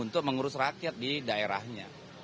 untuk mengurus rakyat di daerahnya